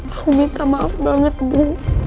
aku minta maaf banget bu